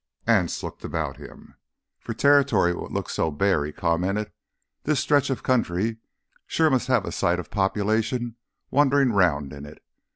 Anse looked about him. "For territory what looks so bare," he commented, "this stretch of country sure must have a sight of population wanderin' 'round in it.